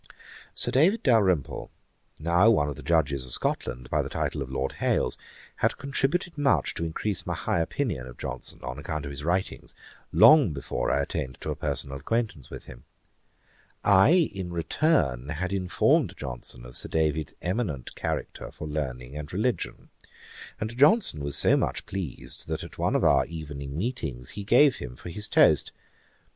Sir David Dalrymple, now one of the Judges of Scotland by the title of Lord Hailes, had contributed much to increase my high opinion of Johnson, on account of his writings, long before I attained to a personal acquaintance with him; I, in return, had informed Johnson of Sir David's eminent character for learning and religion; and Johnson was so much pleased, that at one of our evening meetings he gave him for his toast.